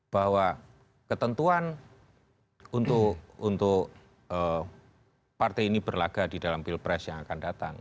bahwa ketentuan untuk partai ini berlagak di dalam pilpres yang akan datang